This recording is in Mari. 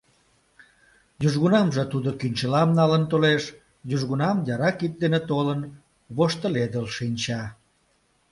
Южгунамже тудо кӱнчылам налын толеш, южгунам яра кид дене толын, воштыледыл шинча.